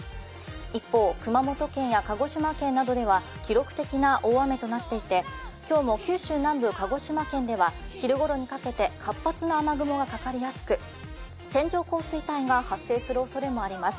一方、熊本県や鹿児島県などでは記録的な大雨となっていて、今日も九州南部、鹿児島県では昼ごろにかけて活発な雨雲がかかりやすく線状降水帯が発生するおそれもあります。